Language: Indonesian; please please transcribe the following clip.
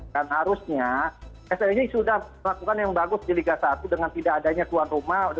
dan harusnya pssi sudah melakukan yang bagus di liga satu dengan tidak adanya tuan rumah